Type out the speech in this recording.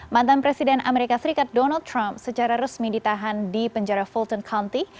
mantan presiden amerika serikat donald trump secara resmi ditahan di penjara fullton county